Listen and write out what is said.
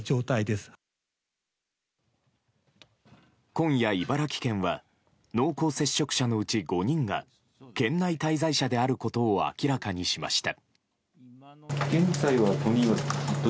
今夜、茨城県は濃厚接触者のうち５人が県内滞在者であることを明らかにしました。